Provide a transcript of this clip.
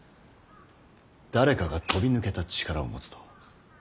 誰かが飛び抜けた力を持つと必ず政が乱れ。